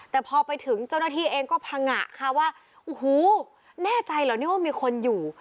แต่พอไปถึงเจ้าหน้าที่เองก็พังงะค่ะว่าโอ้โหแน่ใจเหรอนี่ว่ามีคนอยู่